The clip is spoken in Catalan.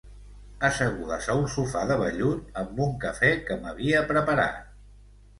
Assegudes a un sofà de vellut, amb un café que m’havia preparat.